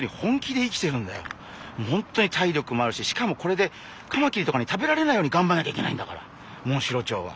本当に体力もあるししかもこれでカマキリとかに食べられないようにがんばらなきゃいけないんだからモンシロチョウは。